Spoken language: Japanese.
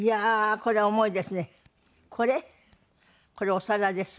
これこれお皿です。